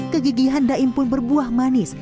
kegigihan daim pun berbuah manis